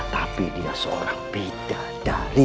tapi dia seorang bidadari